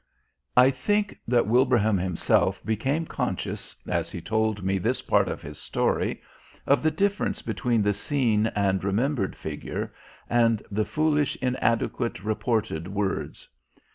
I think that Wilbraham himself became conscious as he told me this part of his story of the difference between the seen and remembered Figure and the foolish, inadequate reported words.